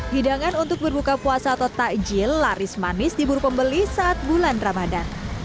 hidangan untuk berbuka puasa atau takjil laris manis di buru pembeli saat bulan ramadan